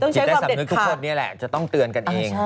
ยังไม่สำนึกทุกคนเนี้ยแหละจะต้องเตือนกันเอง